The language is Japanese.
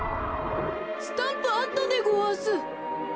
スタンプあったでごわす。